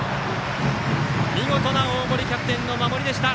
見事な大森キャプテンの守りでした。